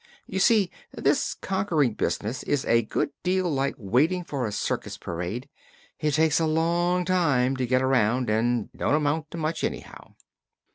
"You see, this conquering business is a good deal like waiting for a circus parade; it takes a long time to get around and don't amount to much anyhow."